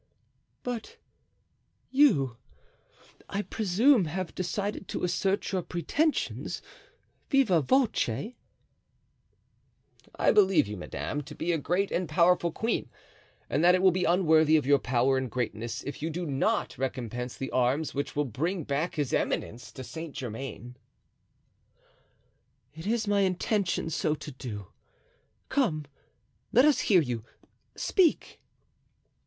"But you, I presume, have decided to assert your pretensions viva voce?" "I believe you, madame, to be a great and powerful queen, and that it will be unworthy of your power and greatness if you do not recompense the arms which will bring back his eminence to Saint Germain." "It is my intention so to do; come, let us hear you. Speak."